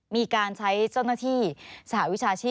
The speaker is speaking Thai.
มีการใช้เจ้าหน้าที่สหวิชาชีพ